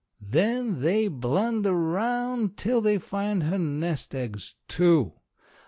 Then they blunder round till they find her nest eggs, too!